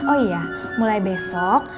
oh iya mulai besok